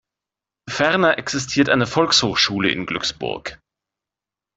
Ferner existiert eine Volkshochschule in Glücksburg.